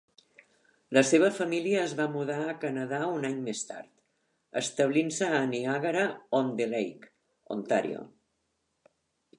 La seva família es va mudar a Canadà un any més tard, establint-se a Niagara-on-the-Lake, Ontario.